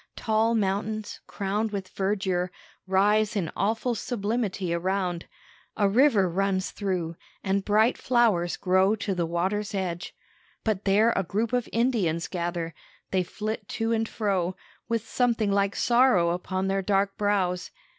Tall mountains, crowned with verdure, rise in awful sublimity around; a river runs through, and bright flowers grow to the water's edge. But there a group of Indians gather. They flit to and fro, with something like sorrow upon their dark brows.